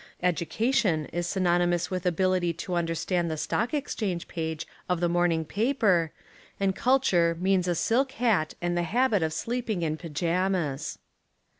Education is synonymous with ability to understand the stock exchange page of the morning paper, and culture means a silk hat and the habit of sleeping in pyjamas.